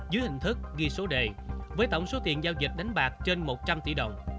dưới hình thức ghi số đề với tổng số tiền giao dịch đánh bạc trên một trăm linh tỷ đồng